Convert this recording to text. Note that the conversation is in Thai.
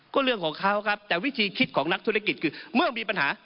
ก็เรื่องของเขาครับแต่วิธีคิดของนักธุรกิจคือเมื่อมีปัญหา